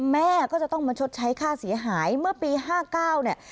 แม่ก็จะต้องมาชดใช้ค่าเสียหายเมื่อปี๕๙เนี่ย